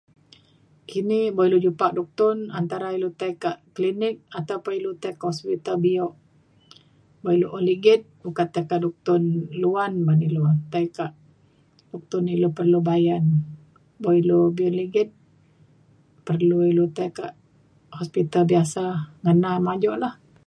Kini buk ilu jupak duktun antara ilu tai kak klinik ataupun ilu tai ke hospital bio. Buk ilu un ligit ukat tai kak duktun luan ban ilu tai kak duktun ilu perlu bayan buk ilu be’un ligit perlu ilu tai kak hospital biasa ngena majok lah.